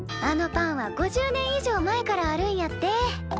あのパンは５０年以上前からあるんやって。